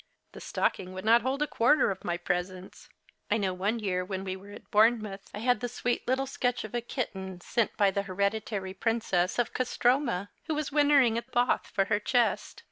The stocking would not hold a quarter of my presents, I know one year when we were at Bournemouth I had a sweet little sketch of a kitten sent by the Hereditary Princess of Kostroma, who was wintering at the Bath for her chest.